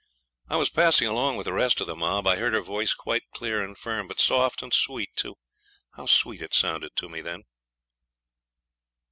I was passing along with the rest of the mob. I heard her voice quite clear and firm, but soft and sweet, too. How sweet it sounded to me then!